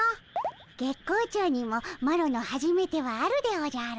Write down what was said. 月光町にもマロのはじめてはあるでおじゃる。